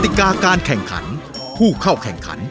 ติกาการแข่งขันผู้เข้าแข่งขัน